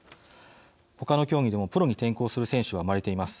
他の競技でもプロに転向する選手は生まれています。